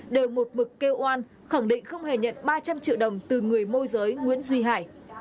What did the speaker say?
đều một mực kêu oan khẳng định không hề nhận ba trăm linh triệu đồng từ người môi giới nguyễn duy hải